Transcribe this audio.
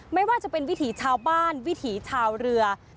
ไม่ว่าจะเป็นวิถีชาวบ้านวิถีชาวเรือ